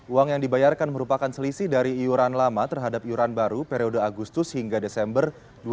uang yang dibayarkan merupakan selisih dari iuran lama terhadap iuran baru periode agustus hingga desember dua ribu dua puluh